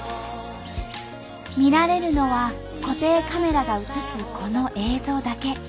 見られるのは固定カメラが映すこの映像だけ。